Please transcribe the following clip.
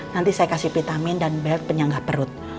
nanti saya kasih vitamin dan belt penyangga perut